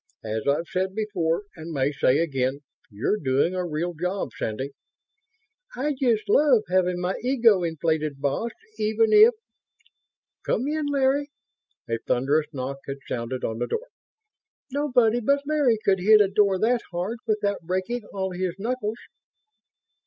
As I've said before and may say again, you're doing a real job, Sandy." "I just love having my ego inflated, boss, even if ... Come in, Larry!" A thunderous knock had sounded on the door. "Nobody but Larry could hit a door that hard without breaking all his knuckles!"